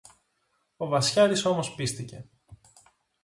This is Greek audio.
Ο Βασιάρης όμως πείστηκε